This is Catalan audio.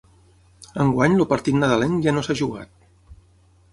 Enguany el partit nadalenc ja no s’ha jugat.